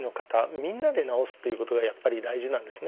みんなで治すということがやっぱり大事なんですね。